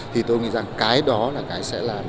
thì tôi nghĩ rằng cái đó là cái sẽ làm